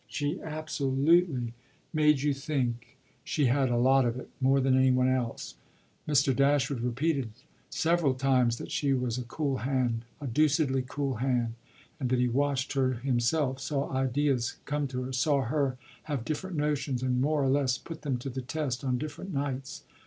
She absolutely made you think she had a lot of it, more than any one else. Mr. Dashwood repeated several times that she was a cool hand a deucedly cool hand, and that he watched her himself, saw ideas come to her, saw her have different notions, and more or less put them to the test, on different nights.